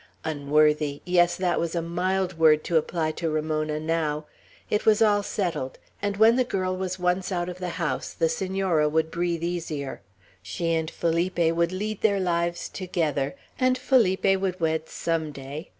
"Unworthy!" Yes, that was a mild word to apply to Ramona, now. It was all settled; and when the girl was once out of the house, the Senora would breathe easier. She and Felipe would lead their lives together, and Felipe would wed some day.